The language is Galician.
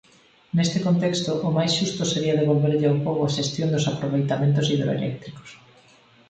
Neste contexto, o máis xusto sería devolverlle ao pobo a xestión dos aproveitamentos hidroeléctricos.